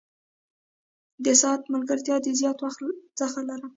د ساعت ملګرتیا د زیات وخت څخه لرم.